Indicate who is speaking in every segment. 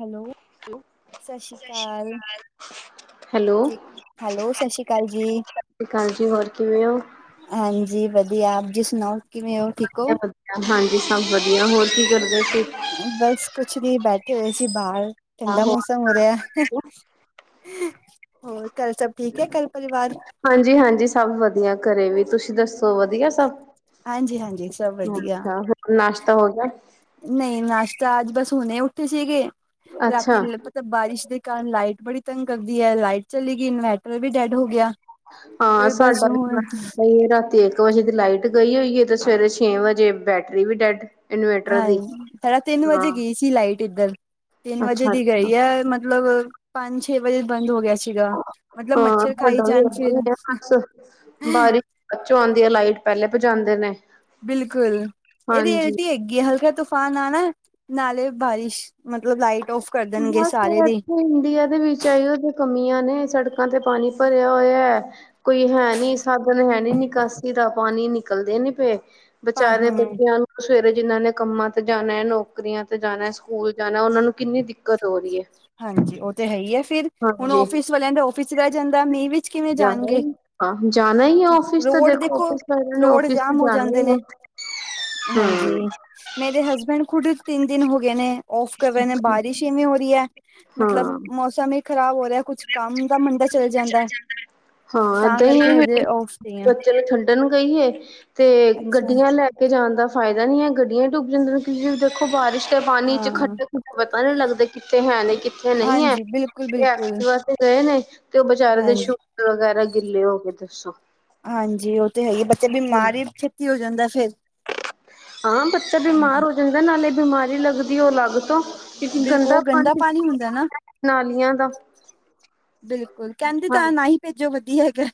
Speaker 1: Hello, ਸਤਿ ਸ਼੍ਰੀ ਅਕਾਲ,
Speaker 2: ਹੈਲੋ, ਸਤਿ
Speaker 1: ਠੀਕ ਹੈਲੋ, ਸਤਿ ਸ਼੍ਰੀ ਅਕਾਲ ਜੀ।
Speaker 2: ਸ਼੍ਰੀ ਅਕਾਲ ਜੀ ਹੋਰ ਕਿਵੇਂ ਹੋ?
Speaker 1: ਹਾਂਜੀ ਵਧੀਆ, ਆਪ ਜੀ ਸੁਣਾਓ ਕਿਵੇਂ ਹੋ, ਠੀਕ ਹੋ
Speaker 2: ਵਧ ਵਧੀਆ! ਹਾਂਜੀ, ਸਭ ਵਧੀਆ। ਹੋਰ ਕੀ ਕਰਦੇ ਸੀ?
Speaker 1: ਬਸ, ਕੁਛ ਨਹੀਂ, ਬੈਠੇ ਹੋਏ ਸੀ ਬਾਹਰ, ਠੰਡਾ
Speaker 2: ਆਹੋ।
Speaker 1: ਮਸ ਮ ਹੋ ਰਿਯਾ, ਹੋਰ ਘਰ ਸਭ ਠੀਕ ਹੈ? ਘਰ ਪਰਿਵਾਰ।
Speaker 2: ਹਾਂਜੀ-ਹਾਂਜੀ, ਸਭ ਵਧੀਆ ਘਰੇ ਵੀ! ਤੁਸੀਂ ਦੱਸੋ ਵਧੀਆ? ਵਧੀਆ ਸਭ,
Speaker 1: ਹਾਂਜੀ ਹਾਂਜੀ ਸਭ ਵਧੀਆ
Speaker 2: ਅੱਛਾ, ਹੋਰ ਨਾਸ਼ਤਾ ਹੋ ਗਿਆ?
Speaker 1: ਨਹੀਂ ਨਾਸ਼ਤਾ ਅੱਜ ਬਸ ਹੁਣੇ ਉੱਠੇ ਸੀਗੇ,
Speaker 2: ਅੱਛਾ
Speaker 1: ਰਾਤੀ ਬਾਰਿਸ਼ ਦੇ ਕਾਰਨ ਲਾਈਟ ਬੜੀ ਤੰਗ ਕਰਦੀ ਹੈ, ਲਾਈਟ ਚਲੀ ਗਈ, ਇਨਵਰਟਰ ਵੀ ਡੈਡ ਹੋ ਗਿਆ।
Speaker 2: ਹਾਂ
Speaker 1: ਫਿਰ ਬਸ
Speaker 2: ਸਾਡਾ
Speaker 1: ਹੁਣ
Speaker 2: ਇਨਵਰਟਰ ਏਦਾ ਹੀ ਰਾਤੀ [unintelligible] ਦੋ ਵਜੇ ਦੀ ਲਾਈਟ ਗਈ ਹੋਈ ਹੈ, ਤੇ ਸਵੇਰੇ ਛੇ ਵਜੇ ਬੈਟਰੀ ਵੀ ਡੈਡ ਇਨਵੇਟਰ ਦੀ
Speaker 1: ਹਾਂਜੀ, ਸਵਾ ਤਿੰਨ ਵਜੇ
Speaker 2: ਹਾਂ
Speaker 1: ਗਈ ਸੀ। ਕੀ ਲਾਈਟ ਇੱਧਰ, ਤਿੰਨ ਵਜੇ
Speaker 2: ਅੱਛਾ
Speaker 1: ਦੀ
Speaker 2: ਅੱਛਾ
Speaker 1: ਗਈ ਹੈ, ਮਤਲਬ ਪੰਜ-ਛੇ ਵਜੇ ਬੰਦ ਹੋ ਗਿਆ ਸੀ।
Speaker 2: ਹਾਂ, ਤੁਹਾਡਾ ਵੀ ਇਏਦਾਂ ਵੀ ਹੈ ਬ ਬਾਰਿਸ਼ ਬਾਦ ਚੋ ਆਉਂਦੀ ਆ, ਲਾਈਟ ਪਹਿਲੇ ਭਜਾਉਂਦੇ ਨੇ।
Speaker 1: ਬਿਲਕੁਲ, ਇਹਦੀ
Speaker 2: ਹਾਂਜੀ
Speaker 1: ਐਲਟੀ ਹੈਗੀ ਹੈ, ਹਲਕਾ ਤ ਅਹ ਨਾਲ ਨਾ, ਨਾਲੇ ਬਾਰਿਸ਼, ਮਤਲਬ ਲਾਈਟ ਔਫ। ਕਰ ਦੇਣਗੇ
Speaker 2: ਬਸ,
Speaker 1: ਸਾਰੇ ਦੀ
Speaker 2: ਇੱਥੇ ਇੰਡੀਆ ਦੇ ਵਿੱਚ। ਚਾਈਓ ਦੀਆਂ ਕਮੀਆਂ ਨੇ, ਸੜਕਾਂ ਤੇ ਪਾਣੀ ਭਰਿਆ ਹੋਇਆ ਕੋਈ ਹੈ ਨੀ, ਸਾਧਨ ਹੈ ਨੀ ਨਿਕਾਸੀ ਦਾ, ਪਾਣੀ ਨਿਕਲਦੇ ਨੀ ਪਏ
Speaker 1: ਹਾਂ
Speaker 2: ਬਚਾਰੇ ਬੱਚਿਆਂ ਨੂੰ ਸਵੇਰੇ ਜਿਹਨਾਂ ਨੇ ਕੰਮਾਂ ਤੇ ਜਾਣਾ ਹੈ, ਨੌਕਰੀਆਂ ਤੇ ਜਾਣਾ, ਸਕੂਲ ਜਾਣਾ, ਉਹਨਾ ਨੂੰ ਕਿੰਨੀ ਦਿੱਕਤ ਦਿਕਤ ਹੋ ਰਹੀ ਹੈ।
Speaker 1: ਹਾਂਜੀ, ਉਹ ਤਾਂ ਹੈ ਹੀ ਹੈ ਫਿਰ, ਹੁਣ
Speaker 2: ਹਾਂਜੀ
Speaker 1: ਔਫੀਸ ਵਾਲਿਆਂ ਦਾ ਔਫੀਸ ਰਹਿ ਜਾਂਦਾ, ਮੀਂਹ ਵੀ ਕਿਵੇਂ
Speaker 2: ਜਾਣਾ
Speaker 1: ਜਾਣਗੇ,
Speaker 2: ਹੀ ਹਾਂ ਜਾਣਾ ਹੀ ਹੈ ਆਫਿਸ ਤਾਂ
Speaker 1: ਰੋਡ ਦੇਖੋ,
Speaker 2: ਆਫਿਸ ਵਾਲਿਆਂ ਨੇ
Speaker 1: ਰੋਡ
Speaker 2: ਆਫਿਸ ਤੇ
Speaker 1: ਜਾਮ ਹੋ
Speaker 2: ਜਾਣਾ ਹੀ
Speaker 1: ਜਾਂਦੇ ਨੇ।
Speaker 2: ਹੈ
Speaker 1: ਹਾਂਜੀ,
Speaker 2: ਹੂੰ
Speaker 1: ਮੇਰੇ ਹਸਬੈਂਡ ਖੁੱਦ ਤਿੰਨ ਦਿਨ ਹੋ ਗਏ ਨੇ, ਔਫ ਕਰ ਰਹੇ ਨੇ, ਬਾਰਿਸ਼ ਈਵੇਂ ਹੋ ਰਹੀ ਹੈ। ਮਤਲਬ
Speaker 2: ਹਾਂ।
Speaker 1: ਮੌਸਮ ਹੀ ਖ਼ਰਾਬ ਹੋ ਰਿਹਾ, ਕੁੱਛ ਕੰਮ ਦਾ ਮੰਡੇ
Speaker 2: ਹਾਂ ਏਦਾਂ ਹੀ
Speaker 1: ਕਰਕੇ
Speaker 2: ਹੈ
Speaker 1: ਹਜੇ ਔਫ ਤੇ ਆ
Speaker 2: ਬੱਚੇ ਨੂੰ ਛੱਡਣ ਗਈ ਏ, ਤੇ
Speaker 1: ਅੱਛਾ
Speaker 2: ਗੱਡੀਆਂ ਲੈ ਜਾਣ ਦਾ ਫਾਇਦਾ ਨੀ ਹੈ, ਗੱਡੀਆਂ ਡੁੱਬ ਜਾਂਦਿਆਂ। ਤੁਸੀਂ ਦੇਖੋ, ਬਾਰਿਸ਼ ਦੇ ਪਾਣੀ ਚ
Speaker 1: ਹਾਂ
Speaker 2: ਖੰਡੇ-ਖੁੰਡੇ ਪਤਾ ਨਹੀਂ ਲੱਗਦੇ, ਕਿੱਥੇ ਹੈ, ਕਿੱਥੇ ਨਹੀਂ ਹੈ।
Speaker 1: ਹਾਂਜੀ ਬਿਲਕੁਲ, ਬਿਲਕੁਲ।
Speaker 2: ਵਾਸਤੇ ਗਏ ਨੇ, ਤੇ ਉਹ ਵਿਚਾਰੇ ਦੇ
Speaker 1: ਹਾਂਜੀ
Speaker 2: ਸ਼ੂਜ ਵਗੈਰਾ ਗਿੱਲੇ ਹੋ ਗਏ ਦੱਸੋ।
Speaker 1: ਹਾਂਜੀ, ਉਹ ਤੇ ਹੈ ਹੀ, ਬੱਚਾ
Speaker 2: ਹਾਂ
Speaker 1: ਬਿਮਾਰ ਹੀ ਛੇਤੀ ਹੋ ਜਾਂਦਾ ਫੇਰ।
Speaker 2: ਹਾਂ, ਬੱਚਾ ਬਿਮਾਰ
Speaker 1: ਹਾਂਜੀ
Speaker 2: ਹੋ ਜਾਂਦਾ, ਨਾਲੇ ਬਿਮਾਰੀ ਲੱਗਦੀ ਉਹ ਅਲੱਗ ਤੋਂ। ਕਿ
Speaker 1: ਬਿਲਕੁਲ
Speaker 2: ਗੰਦਾ
Speaker 1: ਉਹ
Speaker 2: ਪਾਣੀ
Speaker 1: ਹੁੰਦਾ ਨਾ
Speaker 2: [inaudible] ਨਾਲੀਆਂ ਦਾ।
Speaker 1: ਬਿਲਕੁਲ, ਕਹਿੰਦੇ ਤਾਂ
Speaker 2: ਹਾਂ
Speaker 1: ਹੈ, ਨਾ ਹੀ ਭੇਜੋ, ਵਧੀਆ ਹੈਗਾ।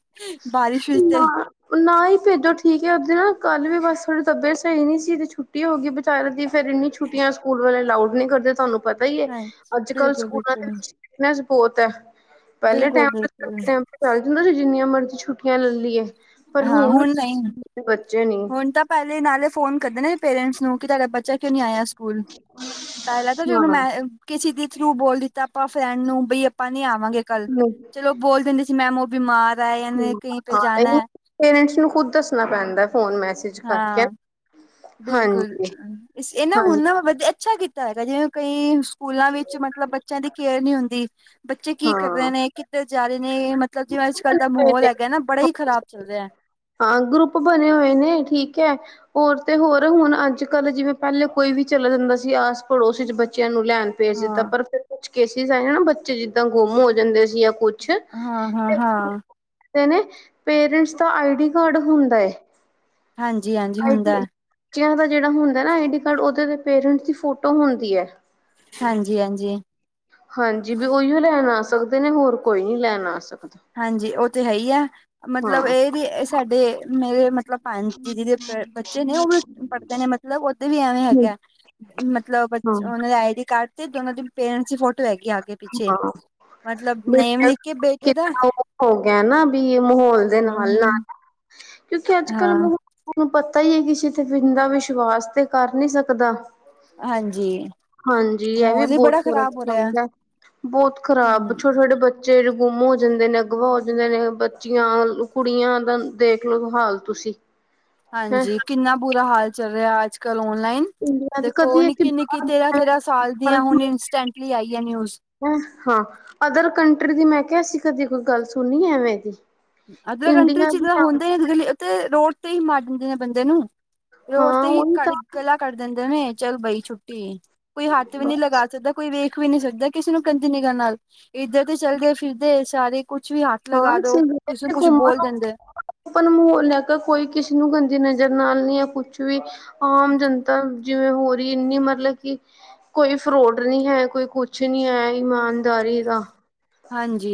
Speaker 1: ਬਾਰਿਸ਼
Speaker 2: [inaudible]
Speaker 1: ਵਿੱਚ ਤੇ
Speaker 2: ਨਾ ਹੀ ਭੇਜੋ, ਠੀਕ ਹੈ, ਉਹ ਨਾ ਕੱਲ ਵੀ ਬਸ ਥੋੜੀ ਤਬੀਅਤ ਸਹੀ ਨੀ ਸੀ, ਛੁੱਟੀ ਛੁੱਟੀ ਹੋ ਗਈ ਵਿਚਾਰੇ ਦੀ, ਫਿਰ ਏਨੀ ਛੁੱਟੀਆਂ ਸਕੂਲ ਵਲੇ ਅਲਾਊਡ ਨਹੀਂ ਕਰਦੇ, ਸਾਨੂੰ ਪਤਾ ਹੀ ਹੈ,
Speaker 1: ਹਾਂ
Speaker 2: ਅੱਜ-ਕੱਲ
Speaker 1: ਬਿਲਕੁਲ
Speaker 2: ਸਕੂਲਾਂ ਦੇ
Speaker 1: ਬਿਲਕੁਲ
Speaker 2: ਵਿੱਚ ਸਟ੍ਰਿਕਟਨੈੱਸ ਬਹੁਤ ਹੈ। ਪਹਿਲੇ
Speaker 1: ਬਿਲਕੁਲ
Speaker 2: ਟਾਈਮ ਤੇੇ ਇਸ
Speaker 1: ਬਿਲਕੁਲ
Speaker 2: ਕਰਕੇ ਚੱਲ ਜਾਂਦਾ ਸੀ, ਜਿੰਨੀਆਂ ਮਰਜ਼ੀ ਛੁਟੀਆਂ ਲੈ ਲਈਏ। ਪਰ
Speaker 1: ਹਾਂ
Speaker 2: ਹੁਣ,
Speaker 1: ਨਹੀਂ
Speaker 2: ਬੱਚੇ ਨੀ
Speaker 1: ਹੁਣ ਤਾਂ ਪਹਿਲੇ ਨਾਲ ਫੋਨ ਕਰਦੇ ਨੇ, ਪੇਰੈਂਟਸ ਨੂੰ। ਕੀ ਤੁਹਾਡਾ ਬੱਚਾ ਕਿਉਂ ਨਹੀਂ ਆਇਆ ਸਕੂਲ, ਪਹਿਲਾਂ ਤਾਂ ਜੋ
Speaker 2: ਹਾਂ
Speaker 1: ਮੈਂ ਕਿ ਕਿਸੇ ਦੇ ਥਰੂ ਬੋਲ ਦਿੱਤਾ, ਆਪਾਂ ਫਰੈਂਡ ਨੂੰ, ਬਈ ਆਪਾਂ ਨਹੀਂ ਆਵਾਂਗੇ ਕੱਲ।
Speaker 2: ਹਾਂ
Speaker 1: ਚਲੋ, ਬੋਲ ਦਿੰਦੇ ਸੀ ਮੈਡਮ ਉਹ ਬਿਮਾਰ ਆ ਜਾਂ ਕਈ ਪੇ ਜਾਣਾ ਹੈ।
Speaker 2: ਪੇਰੈਂਟਸ ਨੂੰ ਖੁਦ ਦੱਸਣਾ ਪੈਂਦਾ, ਫੋਨ-ਮੈਸੇਜ ਕਰਕੇ।
Speaker 1: ਹਾਂ ਬਿਲਕੁਲ
Speaker 2: ਹਾਂਜੀ
Speaker 1: ਇਹ ਨਾ ਹੁਣ
Speaker 2: ਹਾਂਜੀ
Speaker 1: ਨਾ ਵਧੀ ਅੱਛਾ ਕੀਤਾ ਹੈਗਾ, ਜਿਵੇਂ ਕਈ ਸਕੂਲਾਂ ਵਿੱਚ, ਮਤਲਬ ਬੱਚਿਆਂ ਦੀ ਕੇਅਰ ਨੀ ਹੁੰਦੀ, ਬੱਚੇ ਕੀ ਕਰ ਰਹੇ
Speaker 2: ਹਾਂ
Speaker 1: ਨੇ? ਕਿੱਧਰ ਜਾ ਰਹੇ ਨੇ? ਮ ਮਤਲਬ ਜਿਵੇਂ ਅੱਜ-ਕੱਲ ਦਾ ਮਾਹੌਲ ਹੈਗਾ ਹੈ ਨਾ, ਬੜਾ ਹੀ ਖਰਾਬ ਚੱਲ ਰਿਹਾ ਹੈ!
Speaker 2: ਹਾਂ, ਗਰੁੱਪ ਬਣੇ ਹੋਏ ਨੇ, ਠੀਕ ਐ। ਹੋਰ ਤੇ ਹੋਰ ਹੁਣ ਅੱਜ-ਕੱਲ੍ਹ ਜਿਵੇਂ ਪਹਿਲੇ ਕੋਈ ਵੀ ਚਲਾ ਜਾਂਦਾ ਸੀ ਆਸ ਪੜੋਸ 'ਚ ਬਚਿਆਂ ਨੂੰ ਲੈਣ ਭੇਜ ਦਿਤਾ
Speaker 1: ਹਾਂ
Speaker 2: ਪਰ ਫਿਰ ਕੁਛ ਕੇਸਿਸ ਆਏ ਨਾ ਬੱਚੇ ਜਿਦਾਂ ਗੁਮ ਹੋ ਜਾਂਦੇ ਸੀ ਜਾਂ ਕੁਛ
Speaker 1: ਹਾਂ ਹਾਂ ਹਾਂ
Speaker 2: ਦੇ ਨੇ ਪੇਰੈਂਸ ਦਾ ਆਈਡੀ ਕਾਰਡ ਹੁੰਦਾ ਏ।
Speaker 1: ਹਾਂਜੀ-ਹਾਂਜੀ ਹੁੰਦਾ ਏ।
Speaker 2: ਬਚਿਆਂ ਦਾ ਜਿਹੜਾ ਹੁੰਦਾ ਨਾ ਆਈ ਡੀ ਕਾਰਡ ਉਹਦੇ ਤੇ ਪੇਰੈਂਸ ਦੀ ਫੋਟੋ ਹੁੰਦੀ ਏ
Speaker 1: ਹਾਂਜੀ-ਹਾਂਜੀ।
Speaker 2: ਹਾਂਜੀ, ਵੀ ਉਹੀਓ ਲੈਣ ਆ ਸਕਦੇ ਨੇ, ਹੋਰ ਕੋਈ ਨੀ ਲੈਣ ਆ ਸਕਦਾ।
Speaker 1: ਹਾਂਜੀ ਉਹ ਤੇ ਹੈ ਈ ਐ ਮਤਲਬ
Speaker 2: ਹਾਂ।
Speaker 1: ਇਹ ਵੀ ਸਾਡੇ ਮੇਰੇ ਮਤਲਬ ਹਾਂਜੀ ਜਿਹਦੇ ਬੱਚੇ ਨੇ ਉਹ ਵੀ ਪੜ੍ਹਦੇ ਨੇ ਮਤਲਬ ਉਓਦੇ ਵੀ ਐਵੇਂ
Speaker 2: ਹਾਂ
Speaker 1: ਹੈਗਾ। ਮਤਲਬ ਬਚ ਉਹਨਾਂ ਦਾ ਆਈ ਡੀ ਕਾਰਡ ਤੇ ਦੋਨਾਂ ਦੀ ਪੇਰੈਂਸ ਦੀ ਫੋਟੋ ਹੈਗੀ ਆ ਆਗੇ-ਪਿੱਛੇ
Speaker 2: ਹਾਂ
Speaker 1: ਮਤਲਬ ਨੇਮ ਲਿਖ ਕੇ ਦਾ
Speaker 2: ਕਿਦਾਂ ਉਹ ਹੋ ਗਿਆ ਨਾ ਵੀ ਮਾਹੌਲ ਦੇ
Speaker 1: ਹਮ
Speaker 2: ਨਾਲ-ਨਾਲ ਕਿਉਂਕਿ ਅੱਜ-ਕੱਲ
Speaker 1: ਹਾਂ
Speaker 2: ਮ ਥੋਨੂੰ ਪਤਾ ਈ ਐ ਕਿਸੇ ਤੇ ਬੰਦਾ ਵਿਸ਼ਵਾਸ ਤੇ ਕਰ ਨੀ ਸਕਦਾ।
Speaker 1: ਹਾਂਜੀ
Speaker 2: ਹਾਂਜੀ ਇਹ ਵੀ
Speaker 1: ਮਾਹੌਲ ਹੀ
Speaker 2: ਬਹੁਤ
Speaker 1: ਬੜਾ ਖ਼ਰਾਬ ਹੋ ਰਿਹਾ
Speaker 2: ਤਰਦਾ [unintelligible] ਬੋਤ ਖਰਾਬ
Speaker 1: ਹਮ
Speaker 2: ਛੋਟੇ-ਛੋਟੇ ਬੱਚੇ। ਜਿਹੜੇ ਗੁੰਮ ਹੋ ਜਾਂਦੇ ਨੇ, ਅਗਵਾ ਹੋ ਜਾਂਦੇ ਨੇ, ਬੱਚੀਆਂ-ਕੁੜੀਆਂ ਦਾ ਦੇਖਲੋ ਹਾਲ ਤੁਸੀਂ। ਹੈਂ
Speaker 1: ਹਾਂਜੀ! ਕਿੰਨਾ ਬੁਰਾ ਹਾਲ ਚੱਲ ਰਿਹਾ ਅੱਜ-ਕੱਲ ਔਨਲਾਈਨ।
Speaker 2: ਇੰਡੀਆ ਚ
Speaker 1: ਦੇਖੋ
Speaker 2: ਕਦੀ ਇਹ
Speaker 1: ਨਿਕੀ-ਨਿਕੀ ਤੇਰਹ-ਤੇਰਹ ਸਾਲ ਦੀਆਂ ਹੁਣ ਇੰਸਟੈਂਟਲੀ ਆਈ ਆ ਨਿਊਜ
Speaker 2: ਹਾਂ ਅਦਰ ਕੰਟਰੀ ਦੀ ਮੈਂ ਕਿਆ ਅਸੀ ਕਦੇ ਕੋਈ ਗੱਲ ਸੁਣੀ ਇਵੇਂ ਦੀ।
Speaker 1: ਅਦਰ ਕੰਟਰੀ
Speaker 2: ਇੰਡੀਆ
Speaker 1: 'ਚ
Speaker 2: ਦੀ
Speaker 1: ਜਦਾਂ ਹੁੰਦੇ ਰੋਡ ਤੇ ਹੀ ਮਾਰ ਦਿੰਦੇ ਨੇ ਬੰਦੇ ਨੂੰ। ਰੋਡ
Speaker 2: ਹਾਂ
Speaker 1: ਤੇ ਹੀ
Speaker 2: ਉਹੀ
Speaker 1: ਕਟ
Speaker 2: ਤਾਂ
Speaker 1: ਗਲਾ ਕਟ ਦਿੰਦੇ ਨੇ ਚਲ ਬਈ ਛੁੱਟੀ। ਕੋਈ ਹੱਥ ਵੀ ਨਹੀਂ ਲਗਾ ਸਕਦਾ। ਕੋਈ ਵੇਖ ਵੀ ਨੀ ਸਕਦਾ ਕਿਸੇ ਨੂੰ ਗੰਦੀ ਨਿਗ੍ਹਾ ਨਾਲ ਇਦਰ ਤੇ ਚਲਦੇ-ਫਿਰਦੇ ਸਾਰੇ ਕੁਛ ਵੀ ਹੱਥ
Speaker 2: ਹਾਂ
Speaker 1: ਲਗਾ ਦਉ, ਕਿਸੇ ਨੂੰ ਕੁਛ ਬੋਲ
Speaker 2: ਘੁੰਮਣ
Speaker 1: ਦਿੰਦੇ
Speaker 2: ਓਪਨ ਮਾਹੌਲ ਲੈ ਕੇ ਕੋਈ ਕਿਸੇ ਨੂੰ ਗੰਦੀ ਨਜ਼ਰ ਨਾਲ ਨ ਜਾਂ ਕੁਛ ਵੀ ਆਮ ਜਨ ਤਾਂ ਜਿਵੇਂ ਹੋ ਰਹੀ ਇੰਨੀ ਮਤਲਬ ਕਿ ਕੋਈ ਫਰੋਡ ਨੀ ਹੈ ਕੋਈ ਕੁਛ ਨਹੀਂ ਹੈ ਇਮਾਨਦਾਰੀ ਦਾ
Speaker 1: ਹਾਂਜੀ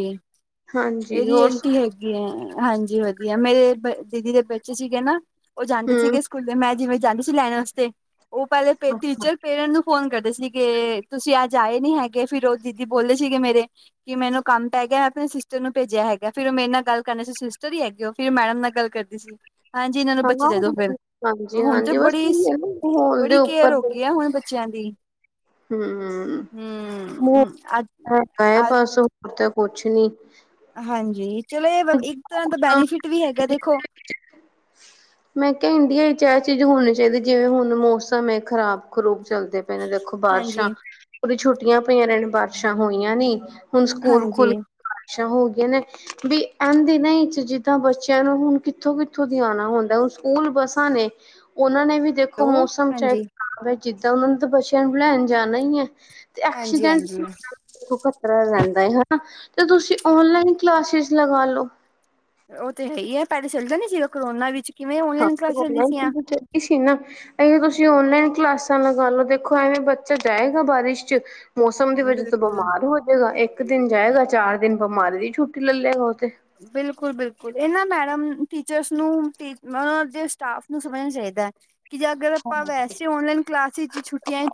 Speaker 1: ਇਹੀ
Speaker 2: ਹਾਂਜੀ ਹੋਰ
Speaker 1: ਰਿਐਲਟੀ ਹੈਗੀ ਏ ਹਾਂਜੀ ਵਦੀਆ ਮੇਰੇ ਦੀਦੀ ਦੇ ਬੱਚੇ ਸੀਗੇ ਨਾ, ਉਹ ਜਾਂਦੇ
Speaker 2: ਹਮ
Speaker 1: ਸੀਗੇ ਸਕੂਲੇ, ਮੈਂ ਜਿਵੇਂ ਜਾਂਦੀ ਸੀ ਲੈਣ ਵਾਸਤੇ। ਉਹ ਪਹਿਲੇ ਟੀਚਰ ਪੇਰੈਂਸ ਨੂੰ ਫੋਨ ਕਰਦੇ ਸੀ ਕਿ ਤੁਸੀ ਅਜ ਆਏ ਨੀ ਹੈਗੇ। ਫੇਰ ਉਹ ਦੀਦੀ ਬੋਲੇ ਸੀਗੇ ਮੇਰੇ ਕਿ ਮੈਨੂੰ ਕੰਮ ਪੈ ਗਿਆ ਮੈਂ ਆਪਣੇ ਸਿਸਟਰ ਨੂੰ ਭੇਜਿਆ ਹੈਗਾ ਫੇਰ ਉਹ ਮੇਰੇ ਨਾਲ ਗੱਲ ਕਰਨਾ ਸੀ ਸਿਸਟਰ ਹੀ ਹੈਗੇ ਉਹ ਫੇਰ ਮੈਡਮ ਨਾਲ ਗੱਲ ਕਰਦੀ ਸੀ। ਜੀ [inaudible] ਹਾਂਜੀ ਇਹਨਾਂ ਨੂੰ ਬੱਚੇ
Speaker 2: ਹਾਂ
Speaker 1: ਦੇ ਦੋ ਫੇਰ
Speaker 2: ਹਾਂਜੀ
Speaker 1: ਹੁਣ ਤੇ
Speaker 2: ਹਾਂਜੀ ਬਸ
Speaker 1: ਬੜੀ
Speaker 2: ਉਹੀ ਹੈ ਨਾ ਮਾਹੌਲ ਦੇ
Speaker 1: ਬੜੀ
Speaker 2: ਉੱਪਰ
Speaker 1: ਕੇਅਰ ਹੋ ਗਈ ਆ ਹੁਣ ਬੱਚਿਆ ਦੀ
Speaker 2: ਹੂੰ।
Speaker 1: ਹਮ
Speaker 2: ਐ ਐ
Speaker 1: ਅੱਜ
Speaker 2: ਪਾਸੋ ਤੇ ਕੁਛ ਨੀ
Speaker 1: ਹਾਂਜੀ ਚਲੋ ਇਹ ਇੱਕ ਤਰਾਂ ਦਾ ਬੈਨੀਫਿਟ ਵੀ ਹੈਗਾ ਦੇਖੋ
Speaker 2: ਮੈਂ ਕਿਹਾ ਇੰਡੀਆ ਵਿਚ ਇਹ ਚੀਜ਼ ਹੋਣੀ ਚਾਹੀਦੀ ਜਿਵੇਂ ਹੁਣ ਮੌਸਮ ਹੈ ਖਰਾਬ-ਖਰੂਬ ਚੱਲਦੇ ਪ ਨੇ ਦੇਖੋ ਬਾਰਿਸ਼ਾਂ
Speaker 1: ਹਾਂਜੀ
Speaker 2: ਉਹਦੀ ਛੁੱਟੀਆਂ ਪਈਆਂ ਰਹਿਣ ਬਾਰਿਸ਼ਾਂ ਹੋਈਆਂ ਨੀ ਹੁਣ ਸਕੂਲ
Speaker 1: ਹਾਂਜੀ
Speaker 2: ਖੁੱਲ ਕੇ ਬਾਰਿਸ਼ਾਂ ਹੋ ਗਈਆਂ ਨੇ, ਵੀ ਇਨ ਦਿਨ ਚ ਜਿੱਦਾਂ ਬੱਚਿਆਂ ਨੂੰ ਹੁਣ ਕਿੱਥੋਂ, ਕਿੱਥੋਂ ਦੀ ਆਉਣਾ ਹੁੰਦਾ ਹੁ ਸਕੂਲ ਬੱਸਾਂ ਨੇ ਉਹਨਾਂ ਨੇ ਵੀ ਦੇਖੋ
Speaker 1: ਹੈਲੋ
Speaker 2: ਮੌਸਮ ਚਾਹੇ
Speaker 1: ਹਾਂਜੀ।
Speaker 2: ਖਰਾਬ ਹੈ ਜਿੱਦਾਂ ਉਹਨਾਂ ਨੂੰ ਤਾਂ ਬੱਚਿਆ ਨੂੰ ਪੜ੍ਹਾਣ ਜਾਣਾ ਈ ਐ।
Speaker 1: ਹਾਂਜੀ
Speaker 2: ਐਕਸੀਡੈਂਟ
Speaker 1: ਹਾਂਜੀ।
Speaker 2: ਖਤਰਾ ਰਹਿੰਦਾ ਹੈ ਹਨਾ! ਤੇ ਤੁਸੀਂ ਓਨਲਾਈਨ ਕਲਾਸਿਸ ਲਗਾ ਲੋ।
Speaker 1: ਉਹ ਤੇ ਹੈ ਈ ਹੈ ਪੇਲੇ ਚੱਲਦਾ ਨੀ ਸੀਗਾ ਕਰੋਨਾ ਵਿੱਚ ਕਿਵੇਂ
Speaker 2: ਹਾਂ
Speaker 1: ਔਨਲਾਈਨ ਕਲਾਸੀਸ
Speaker 2: ਔਨਲਾਈਨ
Speaker 1: ਸੀਆਂ।
Speaker 2: ਚੀਜ਼ ਚੱਲੀ ਸੀ ਨਾ ਇਵੇਂ ਤੁਸੀਂ ਔਨਲਾਈਨ ਕਲਾਸਾਂ ਲਗਾ ਲਓ ਦੇਖੋ ਐਵੇਂ ਬੱਚਾ ਜਾਏਗਾ ਬਾਰਿਸ਼ ਚ ਮੌਸਮ ਦੀ ਵਜਾ ਤੋਂ
Speaker 1: ਬਿਲਕੁਲ।
Speaker 2: ਬਿਮਾਰ ਹੋ ਜੇਗਾ ਇੱਕ ਦਿਨ ਜਾਏਗਾ ਚਾਰ ਦਿਨ ਬਿਮਾਰੀ ਦੀ ਛੁੱਟੀ ਲੈ ਲਏਗਾ ਉਹਤੇ।
Speaker 1: ਬਿਲਕੁਲ-ਬਿਲਕੁਲ ਇਹ ਨਾ ਮੈਡਮ ਟੀਚਰਸ ਨੂੰ ਦੇ [unintelligible] ਸਟਾਫ ਨੂੰ ਸਮਝਣਾ ਚਾਹੀਦਾ ਹੈ। ਕਿ ਜੇ ਅਗਰ ਆਪਾਂ ਵੈਸੇ ਔਨਲਾਈਨ ਕਲਾਸਿਸ 'ਚ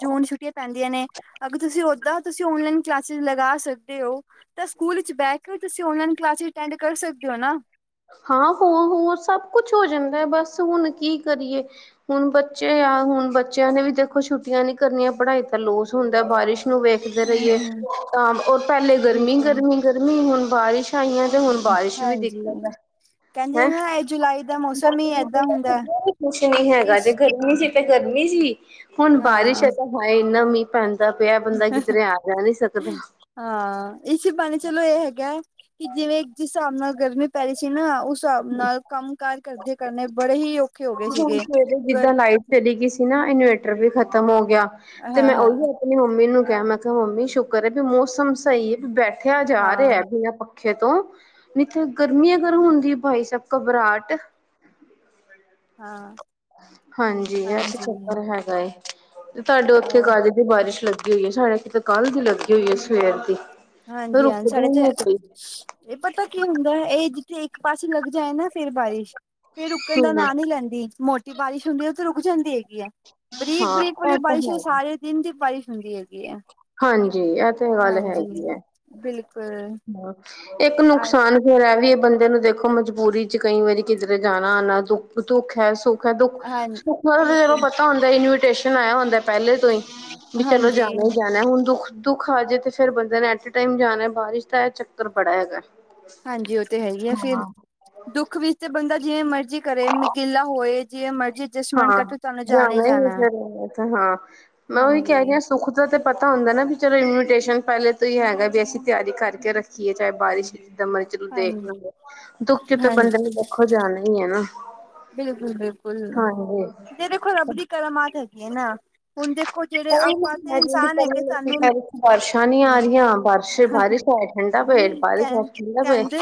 Speaker 1: ਜੂਨ ਛੁੱਟੀਆਂ ਪੈਂਦੀਆਂ ਨੇ। ਅਗਰ ਤੁਸੀਂ ਓਦਾਂ ਤੁਸੀਂ ਓਨਲਾਈਨ ਕਲਾਸਿਸ ਲਗਾ ਸਕਦੇ ਹੋ। ਤਾਂ ਸਕੂਲ ਵਿੱਚ ਬਹਿ ਕੇ ਵੀ ਤੁਸੀਂ ਓਨਲਾਈਨ ਕਲਾਸਿਸ ਅਟੈਂਡ ਕਰ ਸਕਦੇ ਔ ਨਾ।
Speaker 2: ਹਾਂ ਹੂੰ ਹੋ ਸਭ ਕੁੱਛ ਹੋ ਜਾਂਦਾ ਹੈ। ਬਸ ਹੁਣ ਕੀ ਕਰੀਏ? ਹੁਣ ਬੱਚੇ ਆ ਹੁਣ ਬੱਚਿਆਂ ਨੇ ਵੀ ਦੇਖੋ ਛੁੱਟੀਆਂ ਨੀ ਕਰਨੀਆਂ ਪੜ੍ਹਾਈ ਦਾ ਲੋਸ ਹੁੰਦਾ ਬਾਰਿਸ਼ ਨੂੰ ਵੇਖ ਦੇ
Speaker 1: ਹੂੰ
Speaker 2: ਰਹੀਏ
Speaker 1: ਹੂੰ
Speaker 2: ਤਾਂ ਹੁਣ ਪਹਿਲੇ
Speaker 1: ਬਿਲਕੁਲ।
Speaker 2: ਗਰਮੀ-ਗਰਮੀ-ਗਰਮੀ ਹੁਣ ਬਾਰਿਸ਼ ਆਈਆਂ ਤੇ ਹੁਣ ਬਾਰਿਸ਼ ਵੀ ਦਿ
Speaker 1: ਹੂੰ ਕਹਿੰਦੇ ਨਾ ਏਹੀ ਜੁਲਾ
Speaker 2: ਕੁਛ ਨੀ ਹੈਗਾ
Speaker 1: ਕਿਸ
Speaker 2: ਜੇ, ਗਰਮੀ ਸੀ ਤੇ ਗਰਮੀ ਸੀ। ਹੁਣ ਬਾਰਿਸ਼
Speaker 1: ਹਾਂ
Speaker 2: ਹੈ। ਤਾਂ ਹਾਏ ਇੰਨਾ ਮੀਂਹ ਪੈਂਦਾ ਪਿਆ ਬੰਦਾ ਕਿੱਧਰੇ ਆ-ਜਾ ਨਹੀਂ ਸਕਦਾ।
Speaker 1: ਹਾਂ ਇਸੀ ਬਹਾਨੇ ਚਲੋ ਇਹ ਹੈਗਾ ਕਿ ਜਿਵੇਂ ਜਿਸ ਹਿਸਾਬ ਨਾਲ ਗਰਮੀ ਪਹਿਲੇ ਸੀ ਨਾ ਉਸ ਹਿਸਾਬ ਨਾਲ ਕੰਮ ਕਾਰ ਕਰਦੇ ਕਰਨੇ ਬੜੇ ਹੀ। ਔਖੇ ਹੋ ਗਏ
Speaker 2: ਹੁਣ
Speaker 1: ਸੀਗੇ
Speaker 2: ਸਵੇਰੇ
Speaker 1: ਗਰ
Speaker 2: ਜਿੱਦਾਂ ਲਾਈਟ ਚਲੀ ਗਈ ਸੀ ਨਾ ਇਨਵੇਟਰ ਵੀ ਖ਼ਤਮ ਹੋ ਗਿਆ ਤੇ
Speaker 1: ਹਾਂ
Speaker 2: ਮੈਂ
Speaker 1: ਹਾਂ
Speaker 2: ਉਹੀ। ਆਪਣੀ ਮੰਮੀ ਨੂੰ ਕਿਹਾ ਮੈਂ ਕਿਹਾ ਮੰਮੀ ਸ਼ੁਕਰ ਹੈ ਵੀ ਮੌਸਮ ਸਹੀ ਐ ਵੀ ਬੈਠਿਆ ਜਾ ਰਿਹਾ
Speaker 1: ਹਾਂ
Speaker 2: ਵੀ ਆਪਾਂ। ਪੱਖੇ ਤੋਂ ਨਹੀਂ ਨਾ ਗਰਮੀ ਅਗਰ ਹੁੰਦੀ ਭਾਈ ਸਾਬ ਘਬਰਾਹਟ
Speaker 1: ਹਾਂ
Speaker 2: ਹਾਂਜੀ ਇਹ ਤੇ ਚੱਕਰ ਹੈਗਾ ਏ। ਤੇ ਤੁਹਾਡੇ ਉੱਥੇ
Speaker 1: ਹੋਰ
Speaker 2: ਕਦ ਦੀ ਬਾਰਿਸ਼ ਲੱਗੀ ਹੋਈ ਏ। ਸਾਡੇ ਇੱਥੇ ਤਾਂ ਕੱਲ੍ਹ ਦੀ ਲੱਗੀ ਹੋਈ ਏ ਸਵੇਰ ਦੀ।
Speaker 1: ਹਾਂਜੀ ਹਾਂ
Speaker 2: ਰੁਕਦੀ
Speaker 1: ਸਾਡੇ ਇਥੇ
Speaker 2: ਨੀ ਪਈ
Speaker 1: ਇਹ ਪਤਾ ਕੀ ਹੁੰਦਾ ਇਹ ਜਿੱਥੇ ਇੱਕ ਪਾਸੇ ਲੱਗ ਜਾਏ ਨਾ ਫਿਰ ਬਾਰਿਸ਼ ਫਿਰ ਰੁਕਣ ਦਾ
Speaker 2: ਹੂੰ
Speaker 1: ਨਾਂ ਨ ਲੈਂਦੀ ਮੋਟੀ ਬਾਰਿਸ਼ ਹੁੰਦੀ ਤੇ ਰੁਕ ਜਾਂਦੀ ਹੈਗੀ ਐਂ।
Speaker 2: ਹਾਂ
Speaker 1: ਬਰੀਕ-ਬਰੀਕ ਵਾਲੀ
Speaker 2: ਇਹ ਤਾਂ
Speaker 1: ਬਾਰਿਸ਼ ਉਹ
Speaker 2: ਹੈ
Speaker 1: ਸਾਰੇ ਦਿਨ ਦੀ ਬਾਰਿਸ਼ ਹੁੰਦੀ ਹੈਗੀ ਐਂ।
Speaker 2: ਹਾਂਜੀ ਇਹ ਤੇ ਗੱਲ ਹੈਗੀ ਹੈ।
Speaker 1: ਬਿਲਕੁੱਲ।
Speaker 2: ਹਾਂ ਇੱਕ ਨੁਕਸਾਨ ਫੇਰ ਇਹ ਵੀ ਬੰਦੇ ਨੂੰ ਦੇਖੋ ਮਜਬੂਰੀ ਚ ਕਈ ਵਾਰੀ ਕਿੱਧਰੇ ਜਾਣਾ-ਆਣਾ ਦੁੱਖ ਦੁੱਖ ਹੈ ਸੁੱਖ ਦਾ ਦੁੱਖ
Speaker 1: ਹਾਂ
Speaker 2: ਸੁੱਖਾਂ ਦਾ ਤਾਂ ਚਲੋ
Speaker 1: ਬਿਲਕੁਲ
Speaker 2: ਪਤਾ ਹੁੰਦਾ ਇਨਵੀਟੇਸ਼ਨ ਆਇਆ ਹੁੰਦਾ। ਪਹਿਲੇ ਤੋਂ ਹੀ ਵੀ ਚਲੋ
Speaker 1: ਹਾਂਜੀ
Speaker 2: ਜਾਣਾ ਹੀ ਜਾਣਾ। ਜਾਣਾ ਹੁਣ ਦੁੱਖ ਦੁੱਖ ਆ ਜੇ ਤੇ ਫੇਰ ਬੰਦੇ ਨੇ ਐਟ ਏ ਟਾਈਮ ਜਾਣਾ ਬਾਰਿਸ਼ ਦਾ ਇਹ ਚੱਕਰ ਬੜਾ ਹੈਗਾ।
Speaker 1: ਹਾਂਜੀ ਉਹ ਤੇ ਹੈ ਹੀ ਐ ਫਿਰ।
Speaker 2: ਹਾਂ
Speaker 1: ਦੁੱਖ ਵਿੱਚ ਤੇ ਬੰਦਾ ਜਿਵੇਂ ਮਰਜ਼ੀ ਕਰੇ ਮਿਕਿਲਾ ਹੋਏ ਜਿਵੇਂ ਮਰਜ਼ੀ ਅਡਜਸਟਮੈਂਟ
Speaker 2: ਹਾਂ
Speaker 1: ਕਰ ਤੁਹਾਨੂੰ ਹੀ
Speaker 2: ਜਾਣਾ ਈ
Speaker 1: ਹੈ।
Speaker 2: ਫੇਰ ਹਾਂ ਮੈਂ ਉਹੀ ਕਹਿ ਰਹੀ
Speaker 1: ਹਾਂਜੀ
Speaker 2: ਹਾਂ ਸੁੱਖ ਸੁੱਖ ਦਾ ਤੇ ਪਤਾ ਹੁੰਦਾ ਨਾ ਵੀ ਚਲੋ ਇਨਵੀਟੇਸ਼ਨ ਪਹਿਲੇ ਤੋਂ ਹੀ ਹੈਗਾ ਵੀ ਅਸੀਂ ਤਿਆਰੀ ਕਰਕੇ ਰੱਖੀਏ ਚਾਹੇ ਬਾਰਿਸ਼। ਜਿਦਾਂ ਮਰਜ਼ੀ ਚ ਦੇਖ
Speaker 1: ਹਾਂਜੀ
Speaker 2: ਲਾਂਗੇ ਦੁੱਖ ਤੇ ਬੰਦਾ ਨੂੰ ਵੇਖੋ ਜਾਣਾ ਈ ਏ ਨਾ।
Speaker 1: ਬਿਲਕੁਲ-ਬਿਲਕੁਲ
Speaker 2: ਹਾਂਜੀ
Speaker 1: ਇਹ ਦੇਖੋ ਰੱਬ ਦੀ ਕਰਾਮਾਤ ਹੈਗੀ ਏ ਨਾ। ਹੁਣ
Speaker 2: [unintelligible]
Speaker 1: ਦੇਖੋ ਜਿਹੜੇ ਆਪਾਂ ਤੇ ਇਨਸਾਨ ਹੈਗੇ ਸਾਨੂੰ
Speaker 2: ਬਾਰਿਸ਼ਾਂ ਨਹੀਂ ਆ
Speaker 1: ਹਮ
Speaker 2: ਰਹੀਆਂ ਬਾਰਿਸ਼-ਬਾਰਿਸ਼। ਪੈਰ ਠੰਡਾ ਪਏ ਫੇਰ ਪਾ ਦੀ ਪੈਰ
Speaker 1: ਕਹਿ
Speaker 2: ਠੰਡਾ ਪਏ
Speaker 1: ਕਹਿੰਦੇ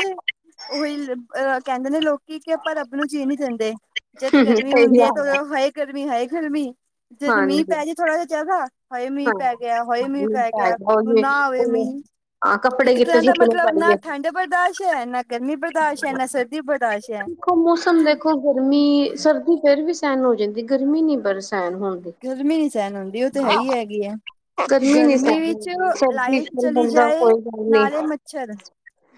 Speaker 1: ਉਹੀ ਅਹ ਕਹਿੰਦੇ ਨੇ ਲੋਕੀ ਕਿ ਆਪਾਂ ਰੱਬ ਨੂੰ ਜੀ ਨੀ- ਦਿੰਦੇ ਜਦ ਗਰਮੀ ਹੁੰਦੀ ਹੈ ਤਾਂ ਉਦੋਂ ਹਾਏ ਗਰਮੀ ਹਾਏ ਗਰਮੀ ਜਦ ਮੀਂਹ
Speaker 2: ਹਾਂਜੀ
Speaker 1: ਪੈ ਜੇ ਥੋੜਾ ਜਿਹਾ ਜ਼ਿਆਦਾ ਹਾਏ ਮੀਂਹ
Speaker 2: ਹਾਂ
Speaker 1: ਪੈ ਗਿਆ ਹਾਏ ਮੀਂਹ
Speaker 2: ਹਾਂ
Speaker 1: ਪੈ ਗਿਆ
Speaker 2: ਹੈਗਾ
Speaker 1: ਹੁਣ
Speaker 2: ਉਹੀ
Speaker 1: ਨਾ ਆਵੇ ਮੀਂਹ।
Speaker 2: ਹਾਂ ਕੱਪੜੇ
Speaker 1: ਇੱਕ
Speaker 2: ਕਿੱਥੇ
Speaker 1: ਤਰਾਂ ਦਾ
Speaker 2: ਸੁੱਕਣੇ
Speaker 1: ਮਤਲਬ ਨਾ
Speaker 2: ਪਾਈਏ
Speaker 1: ਠੰਡ ਠੰਡ ਬਰਦਾਸ਼ ਹੈ, ਨਾ ਗਰਮੀ ਬਰਦਾਸ਼ ਹੈ, ਨਾ ਸਰਦੀ ਬਰਦਾਸ਼ ਹੈ।
Speaker 2: ਦੇਖੋ ਮੌਸਮ ਦੇਖੋ ਗਰਮੀ ਸਰਦੀ ਫੇਰ ਵੀ ਸਹਿਣ ਹੋ ਜਾਂਦੀ ਗਰਮੀ ਨੀ ਪਰ ਸਹਿਣ ਹੁੰਦੀ।
Speaker 1: ਗਰਮੀ ਨੀ ਸਹਿਣ ਹੁੰਦੀ ਉਹ ਤਾਂ ਹੈ ਹੀ ਹੈਗੀ ਹੈ।
Speaker 2: ਗਰਮੀ ਨੀ ਸਹਿਣ
Speaker 1: ਵਿੱਚ
Speaker 2: ਹੁੰਦੀ, ਸਰਦੀ ਚ
Speaker 1: ਲਾਈਟ
Speaker 2: ਚੱਲ
Speaker 1: ਚਲੀ
Speaker 2: ਬੰਦਾ
Speaker 1: ਜਾਏ
Speaker 2: ਕੋਈ ਗੱਲ ਨੀ।
Speaker 1: ਨਾਲੇ ਮੱਛਰ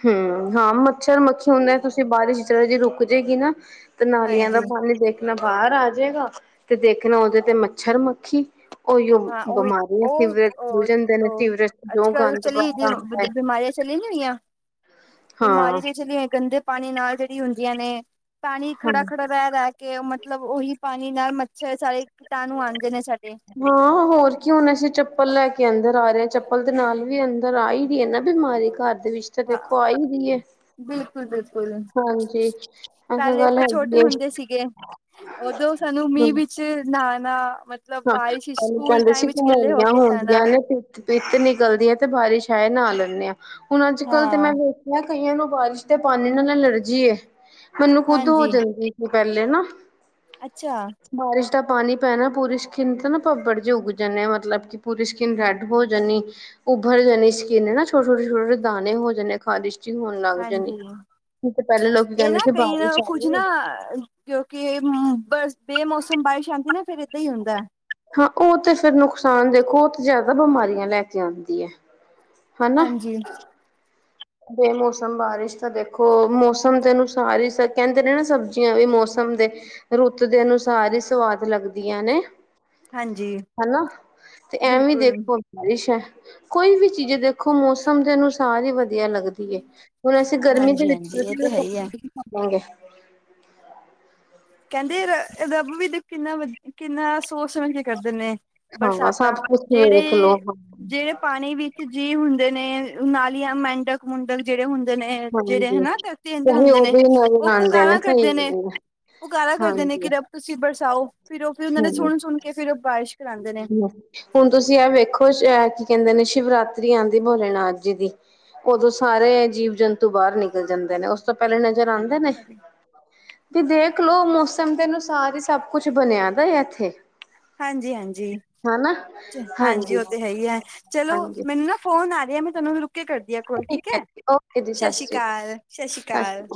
Speaker 2: ਹੂੰ ਹਾਂ ਮੱਛਰ ਮੱਖੀ ਹੁੰਦਾ ਤੁਸੀਂ ਬਾਰਿਸ਼ ਚਲ ਜੇ ਰੁਕ ਜੇਗੀ ਨਾ। ਤੇ ਨਾਲੀਆਂ ਦਾ
Speaker 1: ਹਾਂਜੀ
Speaker 2: ਪਾਣੀ ਦੇਖਣਾ ਬਾਹਰ ਆ ਜੇਗਾ ਤੇ ਦੇਖਣਾ ਉਹਦੇ ਤੇ ਮੱਛਰ-ਮੱਖੀ। ਉਹੀਓ
Speaker 1: ਹਾਂ ਉਹੀ
Speaker 2: ਬਿਮਾਰੀਆਂ
Speaker 1: ਉਹ
Speaker 2: ਫਵਰ ਖੁੱਲ ਜਾਂਦੇ
Speaker 1: ਉਹ
Speaker 2: ਸੀਵਰੇਜ਼ ਚ
Speaker 1: ਅੱਜ
Speaker 2: ਜੋ
Speaker 1: ਕੱਲ੍ਹ
Speaker 2: ਗੰਦ
Speaker 1: ਚਲੀ
Speaker 2: ਪਾਇਆ ਹੁੰਦਾ।
Speaker 1: ਬਿਮਾਰੀਆਂ ਚੱਲਿਆ ਹੋਈਆਂ ਬਿਮਾਰੀਆਂ
Speaker 2: ਹਾਂ
Speaker 1: ਜਿਹੜੀ ਚੱਲਿਆ ਹੋਈਆਂ ਨੇ ਗੰਦੇ ਪਾਣੀ ਨਾਲ ਜਿਹੜੀ ਹੁੰਦੀਆਂ ਨੇ‌। ਪਾਣੀ ਖੜਾ-ਖੜਾ ਰਹਿ-ਰਹਿ ਕੇ ਉਹ ਮਤਲਬ ਉਹੀ ਪਾਣੀ ਨਾਲ ਮੱਛਰ ਸਾਰੇ ਕੀਟਾਣੂ ਆਂਦੇ ਨੇ ਸਾਡੇ।
Speaker 2: ਹਾਂ ਹੋਰ ਕਿ ਹੋਣਾ ਸੀ। ਅਸੀਂ ਚੱਪਲ ਲੈ ਕੇ ਅੰਦਰ ਆ ਰਹੇ ਹਾਂ ਚੱਪਲ ਦੇ ਨਾਲ ਵੀ ਅੰਦਰ ਆ ਈ ਰਹੀ ਹੈ ਨਾ ਬਿਮਾਰੀ। ਘਰ ਦੇ ਵਿੱਚ ਤਾਂ ਦੇਖੋ ਆਈ ਦੀ ਏ।
Speaker 1: ਬਿਲਕੁਲ-ਬਿਲਕੁਲ
Speaker 2: ਹਾਂਜੀ ਇਹ ਤਾਂ
Speaker 1: ਪਹਿਲੇ
Speaker 2: ਗੱਲ
Speaker 1: ਆਪਾਂ ਛੋਟੇ
Speaker 2: ਹੈਗੀ ਏ
Speaker 1: ਹੁੰਦੇ ਸੀਗੇ ਉਦੋਂ ਸਾਨੂੰ ਮੀਂਹ
Speaker 2: ਹੂੰ,
Speaker 1: ਵਿੱਚ ਨਹਾਣਾ ਮਤਲਬ
Speaker 2: ਹਾਂ,
Speaker 1: ਬਾਰਿਸ਼
Speaker 2: ਪਹਲੇ
Speaker 1: ਸਕੂਲ
Speaker 2: ਕਹਿੰਦੇ
Speaker 1: ਟਾਈਮ
Speaker 2: ਸੀ
Speaker 1: ਵਿੱਚ ਗਿੱਲੇ ਹੋ
Speaker 2: ਕਮੋਲੀਆਂ
Speaker 1: ਕੇ
Speaker 2: ਹੁੰਦੀਆਂ
Speaker 1: ਜਾਣਾ
Speaker 2: ਨੇ ਤੇ ਪਿੱਤ ਨਿਕਲਦੀ ਐ ਤੇ ਬਾਰਿਸ਼ ਹੈ ਨਾ ਲੈਂਦੇ ਹਾਂ ਹੁਣ ਅੱਜ ਕੱਲ ਤੇ ਮੈਂ
Speaker 1: ਹਾਂ
Speaker 2: ਮੈਂ ਕਈਆਂ ਨੂੰ ਬਾਰਿਸ਼ ਤੇ ਪਾਣੀ ਨਾਲ ਅਲਰਜੀ ਐ ਮੈਨੂੰ ਖੁੱਦ ਹੋ
Speaker 1: ਹਾਂਜੀ
Speaker 2: ਜਾਂਦੀ। ਪਹਿਲੇ ਨਾ
Speaker 1: ਅੱਛਾ
Speaker 2: ਬਾਰਿਸ਼ ਦਾ ਪਾਣੀ ਪੈਣਾ ਪੂਰੀ ਸਕਿੰਨ ਤਾਂ ਨਾ ਪੱਬੜ ਜਿਹੇ ਉੱਗ ਜਾਣੇ ਮਤਲਬ ਕਿ ਪੂਰੀ ਸਕਿੰਨ ਰੈੱਡ ਹੋ ਜਾਂਦੀ ਉੱਭਰ ਜਾਣੀ ਸਕਿਨ ਨਾ ਛੋਟੇ, ਛੋਟੇ, ਛੋਟੇ ਦਾਣੇ ਹੋ ਜਾਣੇ ਖ਼ਾਰਿਸ਼ ਇਚਿੰਗ ਹੋਣ ਲੱਗ ਜਾਣੀ
Speaker 1: ਹਾਂਜੀ
Speaker 2: ਕਿ ਪਹਿਲੇ ਲੋਕ
Speaker 1: ਇਹ
Speaker 2: ਕਹਿੰਦੇ
Speaker 1: ਨਾ
Speaker 2: ਸੀ
Speaker 1: ਕਈ ਨਾ
Speaker 2: ਬਾਰਿਸ਼ ਆ
Speaker 1: ਕੁੱਝ
Speaker 2: ਰਹੀ
Speaker 1: ਨਾ
Speaker 2: ਐ
Speaker 1: ਕਿਉਂਕਿ ਬੇਮੌਸਮ ਬਾਰਿਸ਼ ਆਂਦੀ ਨਾ ਫੇਰ ਏਦਾਂ ਹੀ ਹੁੰਦਾ
Speaker 2: ਹਾਂ ਉਹ ਤੇ ਫਿਰ ਨੁਕਸਾਨ ਦੇਖੋ ਉਹ ਤੇ ਜ਼ਿਆਦਾ ਬਿਮਾਰੀਆਂ ਲੈ ਕੇ ਆਂਦੀ ਐ।
Speaker 1: ਹਾਂਜੀ
Speaker 2: ਬੇਮੋਸਮ ਬਾਰਿਸ਼ ਤਾਂ ਦੇਖੋ ਮੌਸਮ ਦੇ ਅਨੁਸਾਰ ਹੀ ਫਿਰ ਕਹਿੰਦੇ ਨੇ ਨਾ ਸਬਜ਼ੀਆਂ ਵੀ ਮੌਸਮ ਦੇ ਰੁੱਤ ਦੇ ਅਨੁਸਾਰ ਹੀ ਸਵਾਦ ਲੱਗਦੀਆਂ ਨੇ।
Speaker 1: ਹਾਂਜੀ
Speaker 2: ਹਨਾ ਤੇ ਐਵੇਂ
Speaker 1: ਬਿਲਕੁਲ
Speaker 2: ਦੇਖੋ। ਬਾਰਿਸ਼ ਐ ਕੋਈ ਵੀ ਚੀਜ਼ ਦੇਖੋ ਮੌਸਮ ਦੇ ਅਨੁਸਾਰ ਹੀ ਵਧੀਆ। ਵਧੀਆ ਲੱਗਦੀ ਹੁਣ ਅਸੀਂ ਗਰਮੀ ਦੇ
Speaker 1: ਹਾਂਜੀ
Speaker 2: ਵਿੱਚ
Speaker 1: ਹਾਂਜੀ ਇਹ ਤੇ ਹੈ ਹੀ
Speaker 2: ਕੱਪੜੇ
Speaker 1: ਹੈ।
Speaker 2: ਪਾ ਲਾਂਗੇ
Speaker 1: ਕਹਿੰਦੇ ਰ ਰੱਬ ਵੀ ਕਿੰਨਾ ਕਿੰਨਾ ਸੋਚ ਸਮਝ ਕੇ ਕਰ ਦੇ ਨੇ
Speaker 2: ਹਾਂ ਸਭ
Speaker 1: ਬਰਸਾਤਾਂ
Speaker 2: ਕੁਛ ਵੇਖ ਲੋ
Speaker 1: ਜਿਹੜੇ ਜਿਹੜੇ ਪਾਣੀ ਵਿੱਚ ਜੀਅ ਹੁੰਦੇ ਨੇ ਨਾਲੀਆਂ ਮੈਂਡਕ ਮੁੰਡਕ ਜਿਹੜੇ ਹੁੰਦੇ ਨੇ ਜਿਹੜੇ
Speaker 2: ਹਾਂਜੀ
Speaker 1: ਹਨਾ ਧਰਤੀ ਅੰਦਰ
Speaker 2: ਉਹੀ
Speaker 1: ਹੁੰਦੇ ਨੇ
Speaker 2: ਉਦੋਂ ਹੀ
Speaker 1: ਉਹ
Speaker 2: ਨਜ਼ਰ ਆਉਂਦੇ ਨੇ
Speaker 1: ਪੁਕਾਰਾ
Speaker 2: ਸਹੀ
Speaker 1: ਕਰਦੇ ਨੇ
Speaker 2: ਗੱਲ ਹੈ
Speaker 1: ਪੁਕਾਰਾ ਕਰਦੇ ਨੇ
Speaker 2: ਹਾਂਜੀ
Speaker 1: ਕਿ ਰੱਬ ਤੁਸੀਂ ਬਰਸਾਓ ਫਿਰ ਉਹ ਫਿਰ ਉਹਨਾਂ ਨੇ
Speaker 2: ਹਮ
Speaker 1: ਸੁਣ ਸੁਣ ਕੇ ਫਿਰ ਉਹ ਬਾਰਿਸ਼ ਕਰਾਂਦੇ ਨੇ।
Speaker 2: [inaudible] ਹੁਣ ਤੁਸੀਂ ਆ ਵੇਖੋ ਅ ਕੀ ਕਹਿੰਦੇ ਨੇ ਸ਼ਿਵਰਾਤਰੀ ਆਂਦੀ ਭੋਲੇਨਾਥ ਜੀ ਦੀ ਉਦੋਂ ਸਾਰੇ ਜੀਵ ਜੰਤੂ ਬਾਹਰ ਨਿਕਲ ਜਾਂਦੇ ਨੇ ਉਸ ਤੋਂ ਪਹਿਲੇ ਨਜ਼ਰ ਆਂਦੇ ਨੇ ਦੇਖਲੋ ਮੌਸਮ ਦੇ ਅਨੁਸਾਰ ਹੀ ਸਭ ਕੁਛ ਬਣਿਆ ਦਾ ਇੱਥੇ
Speaker 1: ਹਾਂਜੀ, ਹਾਂਜੀ,
Speaker 2: ਹਨਾ
Speaker 1: ਹਾਂਜੀ ਉਹ ਤੇ ਹੈਈ ਹੈ ਚਲੋ
Speaker 2: ਹਾਂਜੀ
Speaker 1: ਮੈਨੂੰ ਨਾ ਫੋਨ ਆ ਰਿਹਾ ਮੈਂ ਤੁਹਾਨੂੰ ਰੁਕੇ ਕਰਦੀ ਆ ਕੋਲ ਠੀਕ ਐ ਸਤਿ ਸ਼੍ਰੀ ਅਕਾਲ, ਸਤਿ ਸ਼੍ਰੀ ਅਕਾਲ